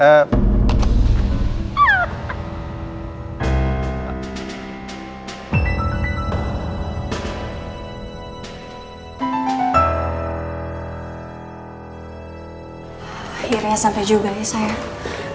akhirnya sampai juga ya saya